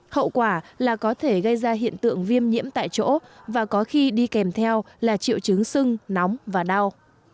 hậu quả là có thể gây ra hiện tượng viêm nhiễm tại chỗ và có khi đi kèm theo là triệu chứng sưng nóng và đau